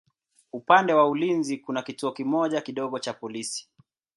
Upande wa ulinzi kuna kituo kimoja kidogo cha polisi.